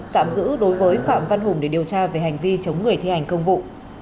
tạm giữ đối với phạm văn hùng để điều tra về hành vi chống người thi hành công vụ